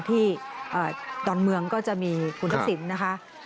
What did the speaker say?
ดอนเมืองก็จะมีคุณทักษิณนะคะ